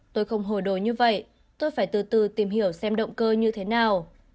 tôi không hồi đồ như vậy tôi phải từ từ tìm hiểu xem động cơ như thế nào